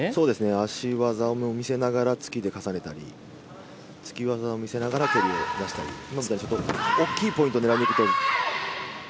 足技を見せながら突きで重ねたり、突き技を見せながら蹴りを出したり、大きいポイントを狙いにいくといい。